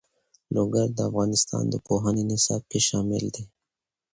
لوگر د افغانستان د پوهنې نصاب کې شامل دي.